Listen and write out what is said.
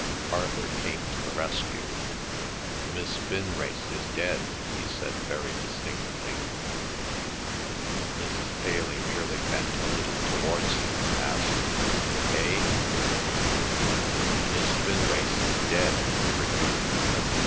Arthur came to the rescue. "Miss Vinrace is dead," he said very distinctly. Mrs. Paley merely bent a little towards him and asked, "Eh?" "Miss Vinrace is dead," he repeated.